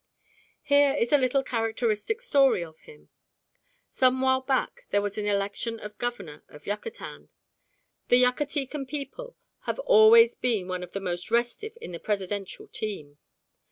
Here is a little characteristic story of him. Some while back there was an election of Governor of Yucatan. The Yucatecan people have always been one of the most restive of the presidential team.